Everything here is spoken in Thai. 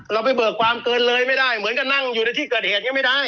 เราไปเบิกความเกินเลยไม่ได้เหมือนกับนั่งอยู่ในที่เกิดเหตุยังไม่ได้